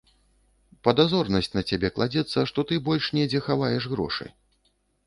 Падазронасць на цябе кладзецца, што ты больш недзе хаваеш грошы.